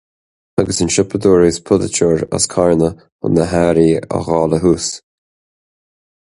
Agus an siopadóir agus polaiteoir as Carna chun na hearraí a dháileadh thuas.